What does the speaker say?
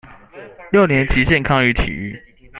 六年級健康與體育